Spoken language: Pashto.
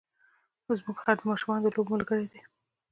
زموږ خر د ماشومانو د لوبو ملګری دی.